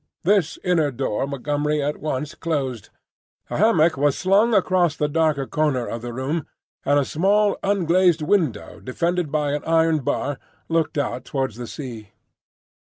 This inner door Montgomery at once closed. A hammock was slung across the darker corner of the room, and a small unglazed window defended by an iron bar looked out towards the sea.